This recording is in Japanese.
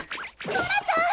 ソラちゃん！